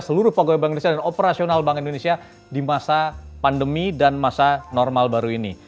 seluruh pegawai bank indonesia dan operasional bank indonesia di masa pandemi dan masa normal baru ini